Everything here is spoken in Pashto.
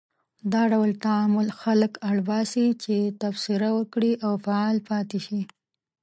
دا ډول تعامل خلک اړ باسي چې تبصره وکړي او فعال پاتې شي.